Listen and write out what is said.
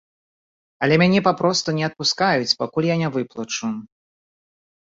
Але мяне папросту не адпускаюць, пакуль я не выплачу.